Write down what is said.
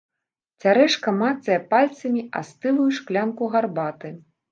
Цярэшка мацае пальцамі астылую шклянку гарбаты.